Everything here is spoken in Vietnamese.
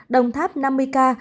đồng tháp năm mươi ca